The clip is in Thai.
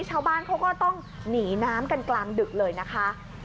ชาวบ้านเขาก็ต้องหนีน้ำกันกลางดึกเลยนะคะ